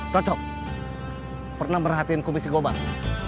tocok pernah berhatiin komisi ngobang